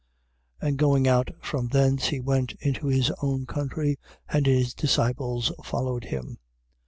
6:1. And going out from thence, he went into his own country; and his disciples followed him.